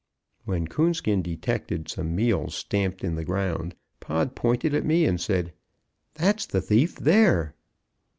When Coonskin detected some meal stamped in the ground, Pod pointed at me and said, "That's the thief, there."